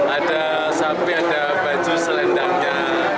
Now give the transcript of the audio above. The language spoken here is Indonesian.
ada sapi ada baju selendangnya